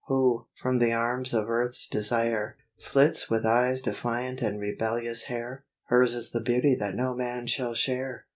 Who, from the arms of Earth's desire, flits With eyes defiant and rebellious hair? Hers is the beauty that no man shall share.